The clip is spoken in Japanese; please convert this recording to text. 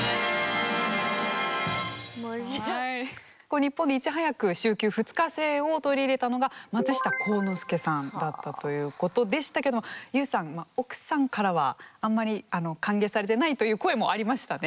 日本でいち早く週休２日制を取り入れたのが松下幸之助さんだったということでしたけどもＹＯＵさん奥さんからはあんまり歓迎されてないという声もありましたね。